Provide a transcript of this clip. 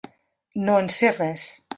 No en sé res.